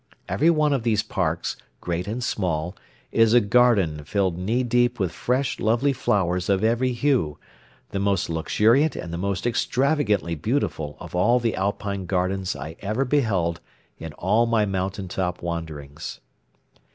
Every one of these parks, great and small, is a garden filled knee deep with fresh, lovely flowers of every hue, the most luxuriant and the most extravagantly beautiful of all the alpine gardens I ever beheld in all my mountain top wanderings.